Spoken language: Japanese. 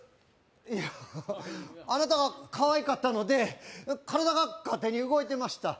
いやあなたがかわいかったので体が勝手に動いてました